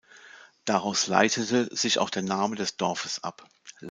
Daraus leitete sich auch der Name des Dorfes ab.